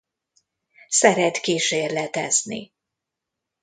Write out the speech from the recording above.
Szeret kísérletezni.